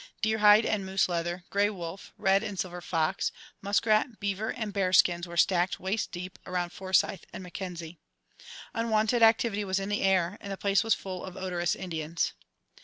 Deer hide and moose leather, grey wolf, red and silver fox, muskrat, beaver and bear skins were stacked waist deep around Forsyth and Mackenzie. Unwonted activity was in the air, and the place was full of odorous Indians.